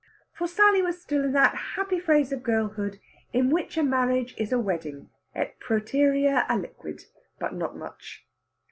For Sally was still in that happy phase of girlhood in which a marriage is a wedding, et præterea aliquid, but not much.